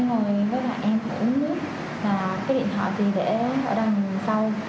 ngày em ngồi với lại em uống nước và cái điện thoại thì để ở đằng sau